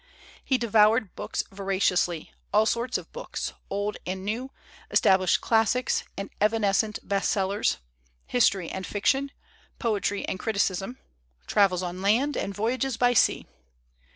He devoured books voraciously, all sorts of books, old and new, established classics, and evanescent "best sellers," history and fiction, poetry and criticism, travels on land and voy ages by sea.